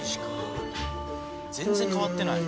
全然変わってない。